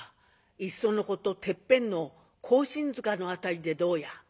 いっそのことてっぺんの庚申塚の辺りでどうや？」。